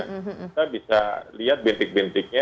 kita bisa lihat bintik bintiknya